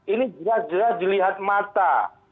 ini jelas jelas dilihat mata